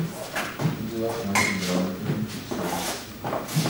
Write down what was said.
Tubulações hidráulicas no subsolo